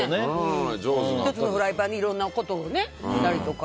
１つのフライパンでいろんなことをやったりとか。